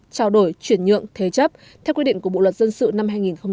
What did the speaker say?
trao đổi chuyển nhượng thế chấp theo quy định của bộ luật dân sự năm hai nghìn một mươi năm